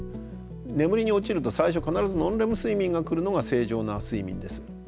眠りに落ちると最初必ずノンレム睡眠が来るのが正常な睡眠です。